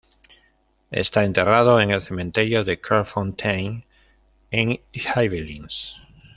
Está enterrado en el cementerio de Clairefontaine-en-Yvelines.